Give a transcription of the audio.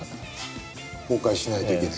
崩壊しないといけない。